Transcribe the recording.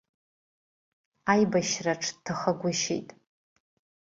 Аибашьраҿ дҭахагәышьеит.